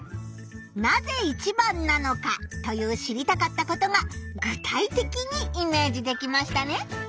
「なぜ一番なのか」という知りたかったことが具体的にイメージできましたね。